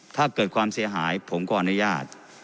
ถ้าเกิดความเสียหายผมก็อนุญาต